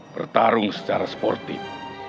bertarung secara sportif